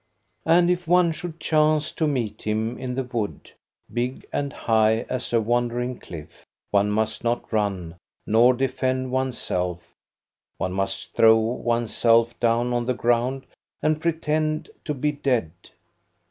And if one should chance to meet him in the wood, big and high as a wandering cliff, one must not run, nor defend one's self; one must throw one's self down on the ground and pretend to be dead.